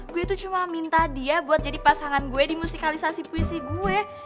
gue itu cuma minta dia buat jadi pasangan gue di musikalisasi puisi gue